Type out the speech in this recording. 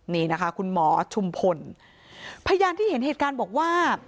นี่นะคะคุณหมอชุมพลพยานที่เห็นเหตุการณ์บอกว่า